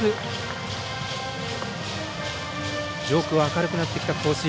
上空、明るくなってきた甲子園。